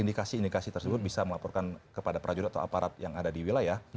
indikasi indikasi tersebut bisa melaporkan kepada prajurit atau aparat yang ada di wilayah